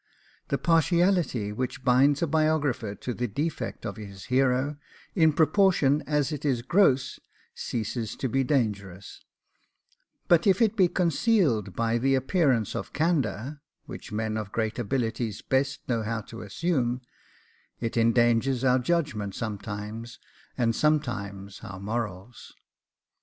The partiality which blinds a biographer to the defects of his hero, in proportion as it is gross, ceases to be dangerous; but if it be concealed by the appearance of candour, which men of great abilities best know how to assume, it endangers our judgment sometimes, and sometimes our morals.